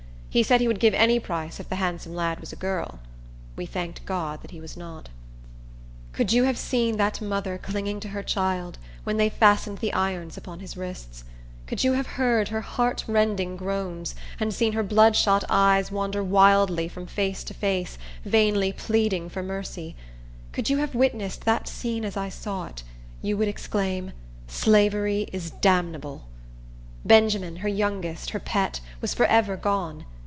He said he would give any price if the handsome lad was a girl. We thanked God that he was not. Could you have seen that mother clinging to her child, when they fastened the irons upon his wrists; could you have heard her heart rending groans, and seen her bloodshot eyes wander wildly from face to face, vainly pleading for mercy; could you have witnessed that scene as I saw it, you would exclaim, Slavery is damnable! Benjamin, her youngest, her pet, was forever gone!